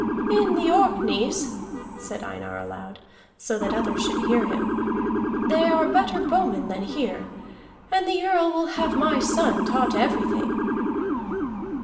"In the Orkneys," said Einar aloud, so that others should hear him, "they are better bowmen than here, and the Earl will have my son taught everything."